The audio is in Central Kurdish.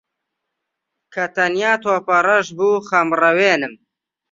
کە تەنیا تۆپەڕەش بوو خەمڕەوێنم